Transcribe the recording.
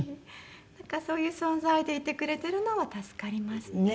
なんかそういう存在でいてくれてるのは助かりますね。